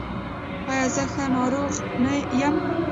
ایا زه ښه ناروغ یم؟